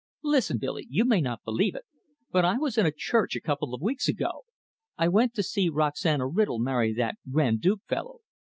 Listen, Billy; you may not believe it, but I was in a church a couple of weeks ago. I went to see Roxanna Riddle marry that grand duke fellow.